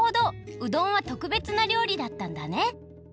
うどんはとくべつなりょうりだったんだね。